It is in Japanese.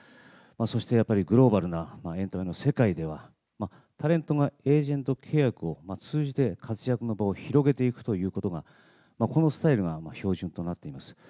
そしてやっぱりグローバルなエンタメの世界では、タレントがエージェント契約を通じて活躍の場を広げていくということが、このスタイルが標準となっています。